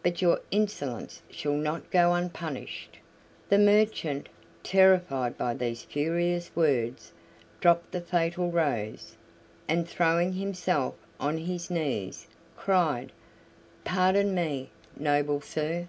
But your insolence shall not go unpunished." The merchant, terrified by these furious words, dropped the fatal rose, and, throwing himself on his knees, cried: "Pardon me, noble sir.